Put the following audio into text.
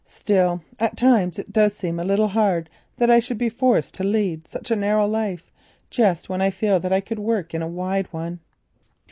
Still, at times it does seem a little hard that I should be forced to lead such a narrow life, just when I feel that I could work in a wide one."